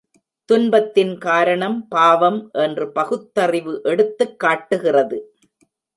துன்பத்தின் காரணம் பாவம் என்று பகுத்தறிவு எடுத்துக் காட்டுகிறது.